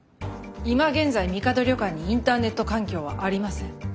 今現在みかど旅館にインターネット環境はありません。